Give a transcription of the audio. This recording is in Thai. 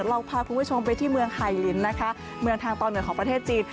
เราพาคุณผู้ชมไปที่เมืองไฮลินนะคะเมืองทางตอนเหนือของประเทศจีน